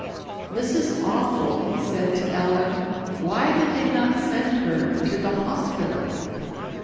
"This is awful," he said to Ellen. "Why did they not send her to the hospital?"